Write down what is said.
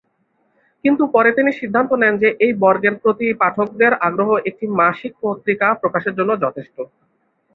কিন্তু পরে তিনি সিদ্ধান্ত নেন যে, এই বর্গের প্রতি পাঠকদের আগ্রহ একটি মাসিক পত্রিকা প্রকাশের জন্য যথেষ্ট।